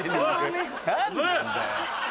何なんだよ。